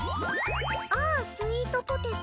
「ああ、スイートポテト。」